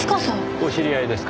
お知り合いですか？